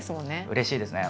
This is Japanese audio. うれしいですね。